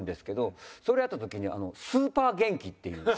それやった時にスーパー元気っていう。